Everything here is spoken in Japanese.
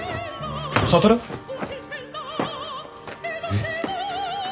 えっ。